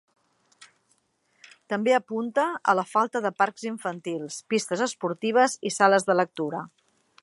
També apunta a la falta de parcs infantils, pistes esportives i sales de lectura.